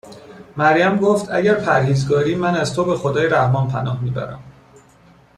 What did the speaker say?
مریم گفت: اگر پرهیزگاری، من از تو به خدای رحمان پناه میبرم